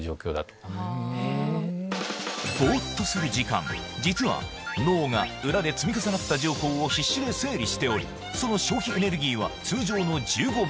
ぼっとする時間実は脳が裏で積み重なった情報を必死で整理しておりその消費エネルギーは通常の１５倍